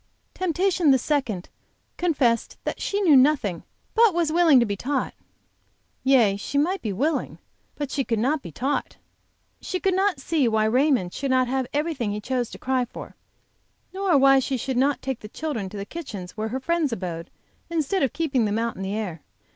Temptation the second confessed that she knew nothing, but was willing to be taught. Yes, she might be willing, but she could not be taught. She could not see why Herbert should not have everything he chose to cry for, nor why she should not take the children to the kitchens where her friends abode, instead of keeping them out in the air.